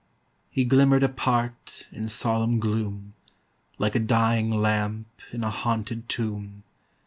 He glimmered apart In solemn gloom, Like a dying lamp in a haunted tomb.